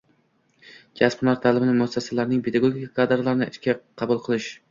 kasb-hunar ta’limi muassasalarining pedagog kadrlarini ishga qabul qilish